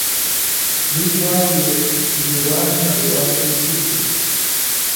دوی غواړي یوان نړیواله پیسې کړي.